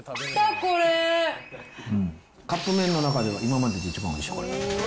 カップ麺の中では今までで一番おいしい。